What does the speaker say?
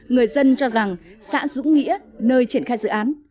người dân cho rằng xã dũng nghĩa nơi triển khai dự án